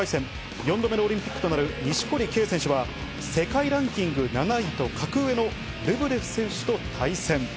４度目のオリンピックとなる錦織圭選手は世界ランキング７位と格上のルブレフ選手と対戦。